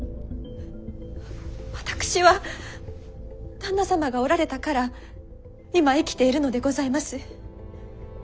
私は旦那様がおられたから今生きているのでございます。